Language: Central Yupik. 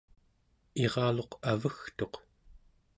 iraluq avegtuq